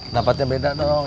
dapatnya beda dong